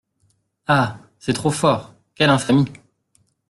Ah ! c’est trop fort ! quelle infamie !